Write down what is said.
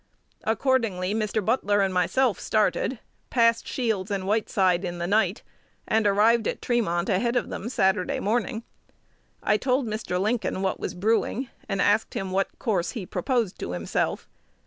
Accordingly, Mr. Butler and myself started, passed Shields and Whiteside in the night, and arrived at Tremont ahead of them on Saturday morning. I told Mr. Lincoln what was brewing, and asked him what course he proposed to himself.